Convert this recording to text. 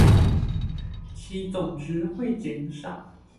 其總值會減少